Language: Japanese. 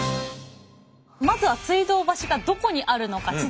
まずは水道橋がどこにあるのか